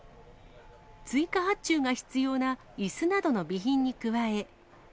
追加発注が必要ないすなどの備品に加え。